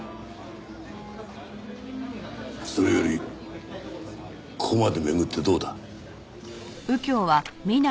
それよりここまで巡ってどうだ？